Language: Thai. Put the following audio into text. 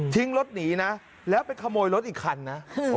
รถหนีนะแล้วไปขโมยรถอีกคันนะ